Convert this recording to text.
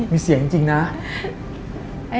มีเสียงจริงนะ